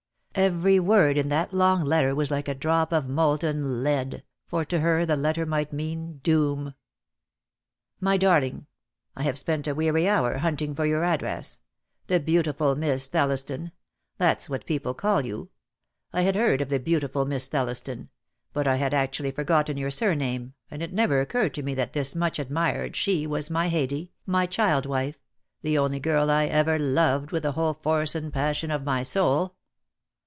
Every word in that long letter was like a drop DEAD LOVE HAS CHAINS. 221 of molten lead, for to her the letter might mean doom. •:•.;.;:,'.•. "My darling, "I have spent a weary hour hunting for your address. The beautiful Miss Thelliston! That's what people call you. I had heard of the beauti ful Miss Thelliston; but I had actually forgotten your surname, and it never occurred to me that this much admired she was my Haidee, my child wife, the only girl I ever loved with the whole force and passion of my soul.